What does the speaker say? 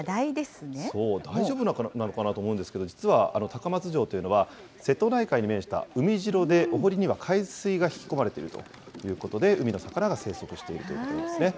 そう、大丈夫なのかなと思うんですが、実は高松城というのは、瀬戸内海に面した海城でお堀には海水が引き込まれているということで、海の魚が生息しているということなんですね。